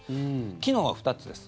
機能は２つです。